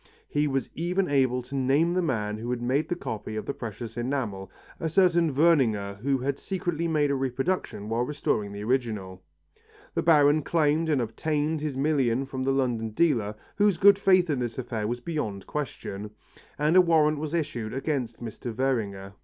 He was even able to name the man who had made the copy of the precious enamel, a certain Werninger who had secretly made a reproduction while restoring the original. The Baron claimed and obtained his million from the London dealer, whose good faith in this affair was beyond question, and a warrant was issued against Mr. Werninger.